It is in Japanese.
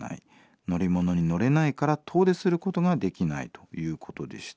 乗り物に乗れないから遠出することができないということでした。